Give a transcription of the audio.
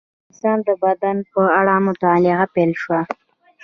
د انسان د بدن په اړه مطالعه پیل شوه.